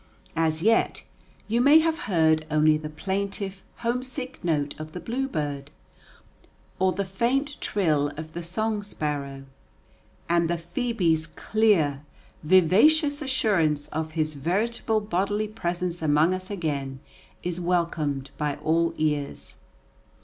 As yet, you may have heard only the plaintive, homesick note of the bluebird, or the faint trill of the song sparrow; and the phœbe's clear, vivacious assurance of his veritable bodily presence among us again is welcomed by all ears.